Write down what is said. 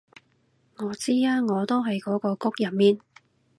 我知啊我都喺嗰個谷入面